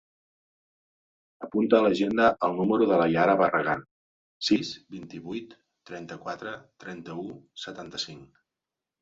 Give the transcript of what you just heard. Apunta a l'agenda el número de la Yara Barragan: sis, vint-i-vuit, trenta-quatre, trenta-u, setanta-cinc.